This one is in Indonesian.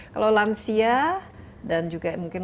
kalau lansia dan juga mungkin